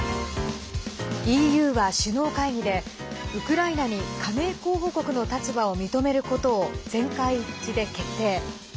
ＥＵは首脳会議でウクライナに加盟候補国の立場を認めることを全会一致で決定。